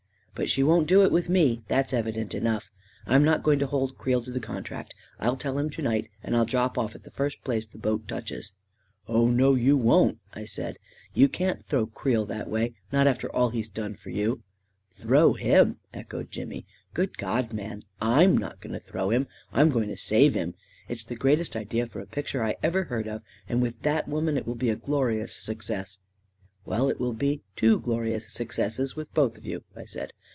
But she won't do it with me — that's evident enough! I'm not going to hold Creel to the contract — I'll tell him to night; and I'll drop off at the first place the boat touches." " Oh, no, you won't," I said " You can't throw Creel that way — not after all he's done for you !"" Throw him I " echoed Jimmy. " Good God, man, I'm not going to throw him — I'm going to save him ! It's the greatest idea for a picture I ever heard of, and with that woman it will be a glorious success." " Well, it will be two glorious successes with both of you," I said.